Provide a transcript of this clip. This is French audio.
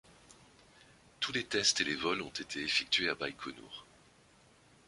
Tous les tests et les vols ont été effectués à Baïkonour.